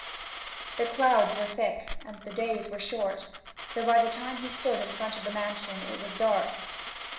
The clouds were thick and the days were short, so that by the time he stood in front of the mansion it was dark.